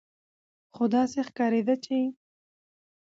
خو داسې ښکارېده چې